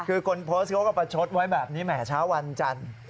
คือคนโพสต์เขาก็ประชดไว้แบบนี้แหมเช้าวันจันทร์